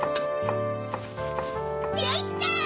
できた！